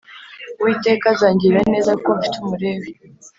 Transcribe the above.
Uwiteka azangirira neza kuko mfite Umulewi